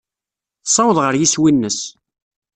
Tessaweḍ ɣer yeswi-nnes.